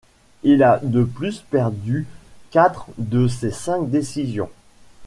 Il a de plus perdu quatre de ses cinq décisions.